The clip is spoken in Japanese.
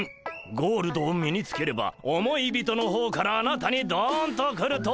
ゴールドを身につければ思い人の方からあなたにどんと来ると出ています。